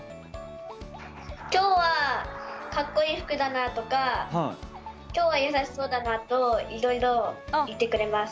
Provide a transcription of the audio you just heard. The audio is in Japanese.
今日はかっこいい服だなとか今日は優しそうだなとかいろいろ言ってくれます。